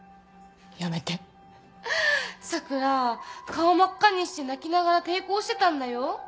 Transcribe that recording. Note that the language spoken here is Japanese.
顔真っ赤にして泣きながら抵抗してたんだよ。